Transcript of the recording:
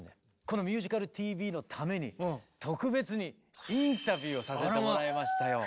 この「ミュージカルＴＶ」のために特別にインタビューをさせてもらいましたよ。